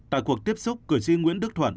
tại cuộc tiếp xúc cử tri nguyễn đức thuận